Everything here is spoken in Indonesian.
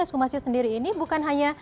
esko masih sendiri ini bukan hanya